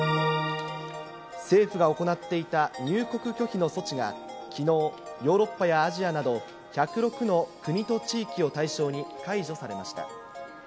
政府が行っていた入国拒否の措置が、きのう、ヨーロッパやアジアなど、１０６の国と地域を対象に解除されました。